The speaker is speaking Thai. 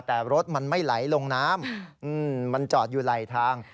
แต่รถมันไม่ไหลลงน้ำมันจอดอยู่ไหลทาง